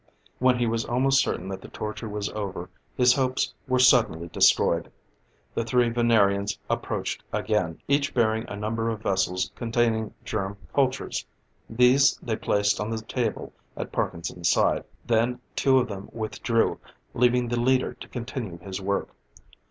When he was almost certain that the torture was over, his hopes were suddenly destroyed. The three Venerians approached again, each bearing a number of vessels containing germ cultures. These they placed on the table at Parkinson's side; then two of them withdrew, leaving the leader to continue his work.